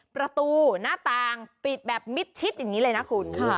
ประตูหน้าต่างปิดแบบมิดชิดอย่างนี้เลยนะคุณ